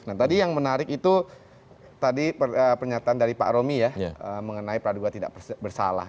nah tadi yang menarik itu tadi pernyataan dari pak romi ya mengenai praduga tidak bersalah